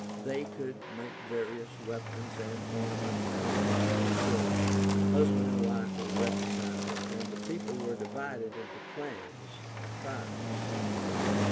They could make various weapons and ornaments out of copper and silver; husband and wife were recognized, and the people were divided into clans (tribes).